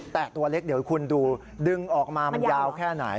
แต่ตัวเล็กเดี๋ยวคุณดูดึงออกมามันยาวแค่ไหน